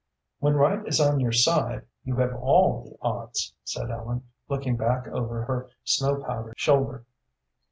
"When right is on your side, you have all the odds," said Ellen, looking back over her snow powdered shoulder.